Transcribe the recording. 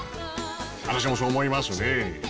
私もそう思いますねえ。